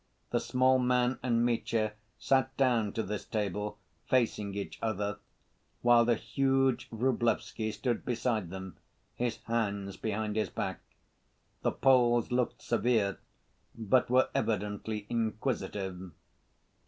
The small man and Mitya sat down to this table, facing each other, while the huge Vrublevsky stood beside them, his hands behind his back. The Poles looked severe but were evidently inquisitive.